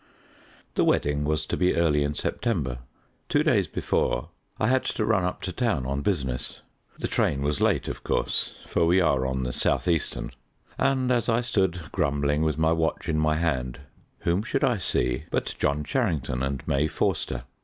The wedding was to be early in September. Two days before I had to run up to town on business. The train was late, of course, for we are on the South Eastern, and as I stood grumbling with my watch in my hand, whom should I see but John Charrington and May Forster.